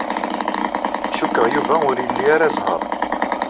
Cikkeɣ Yuba ur ili ara zzheṛ.